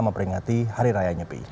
memperingati hari raya nyepi